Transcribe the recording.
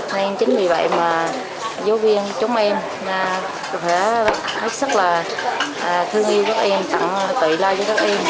nên chính vì vậy mà giáo viên chúng em có thể hết sức là thương yêu các em tặng tụi lo cho các em